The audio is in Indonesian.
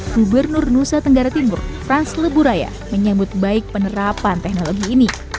gubernur nusa tenggara timur frans leburaya menyambut baik penerapan teknologi ini